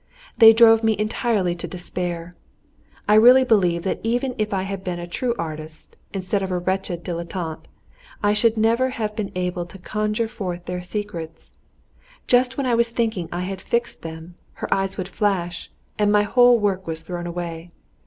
They drove me entirely to despair. I really believe that even if I had been a true artist instead of a wretched dilettante, I should never have been able to conjure forth their secrets. Just when I was thinking I had fixed them, her eyes would flash, and my whole work was thrown away.